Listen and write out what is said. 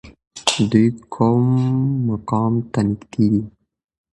دی د کوم مقام تږی نه دی.